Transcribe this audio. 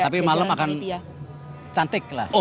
tapi malam akan cantik lah